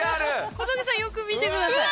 小峠さんよく見てください。